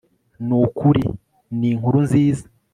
Nukuri ni inkuru nziza